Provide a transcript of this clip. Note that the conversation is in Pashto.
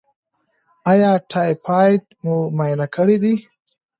ایا ټایفایډ مو معاینه کړی دی؟